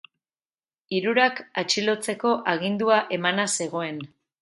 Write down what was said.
Hirurak atxilotzeko agindua emana zegoen.